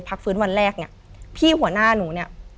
พักฟื้นวันแรกเนี่ยพี่หัวหน้าหนูเนี่ย